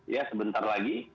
ya sebentar lagi